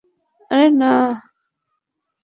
আরে, না।